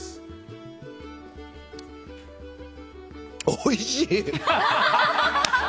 おいしい！